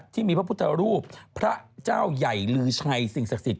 ที่มีพระพุทธรูปพระเจ้าใหญ่ลือชัยสิ่งศักดิ์สิทธิ